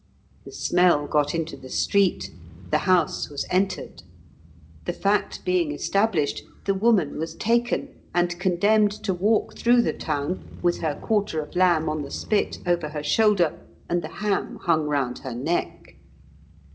The smell got into the street; the house was entered. The fact being established, the woman was taken, and condemned to walk through the town with her quarter of lamb on the spit over her shoulder, and the ham hung round her neck."